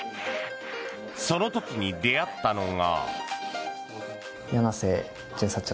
その時に出会ったのが。